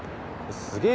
「すげえ」